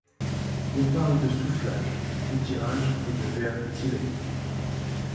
On parle de soufflage - étirage et de verre étiré.